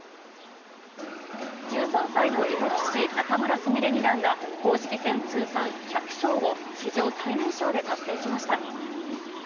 １３歳の囲碁棋士、仲邑菫二段が公式戦通算１００勝を、史上最年少で達成しました。